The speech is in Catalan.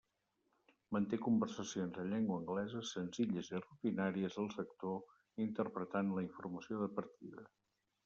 Manté conversacions en llengua anglesa, senzilles i rutinàries del sector, interpretant la informació de partida.